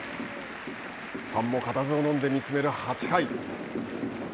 ファンも固唾をのんで見つめる８回。